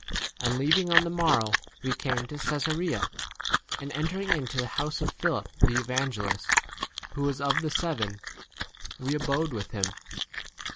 8 And leaving on the morrow, k we came to Csesarea ; and entering into the house of Philip the evangelist, who was of the seven, we abode 9 with him.